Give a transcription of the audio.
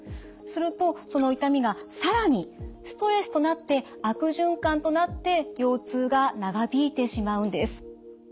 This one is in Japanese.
するとその痛みがさらにストレスとなって悪循環となって腰痛が長引いてしまうんです。